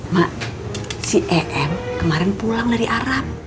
mak si em kemarin pulang dari arab